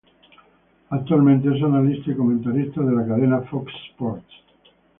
Actualmente es analista y comentarista de la cadena Fox Sports.